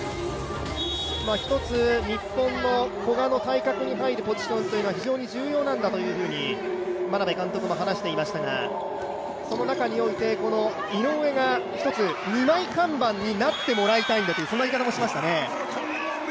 日本の古賀の対角に入るポジションというのは非常に重要なんだというふうに眞鍋監督も話していましたがその中において、井上が一つ、二枚看板になってもらいたいんだという言い方もしましたね。